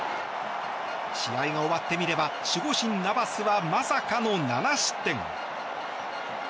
試合が終わってみれば守護神ナバスはまさかの７失点。